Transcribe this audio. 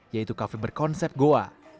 yaitu kafe berkonsep goa